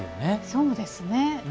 そうですね。